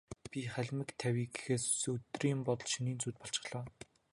Би халимаг тавья гэхээс өдрийн бодол, шөнийн зүүд болчихлоо.